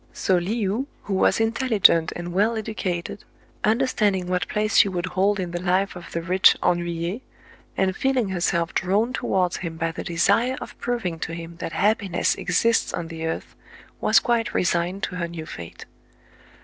So Le ou, who was intelligent and well educated, under standing what place she would hold in the life of the rich ennuyé, and feeling herself drawn towards him by the desire of proving to him that happiness exists on the earth, was quite resigned to her new fate.